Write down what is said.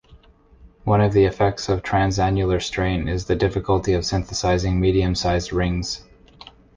One of the effects of transannular strain is the difficulty of synthesizing medium-sized rings.